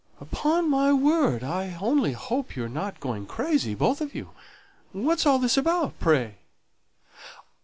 "Upon my word, I only hope you are not going crazy, both of you! What's all this about, pray?"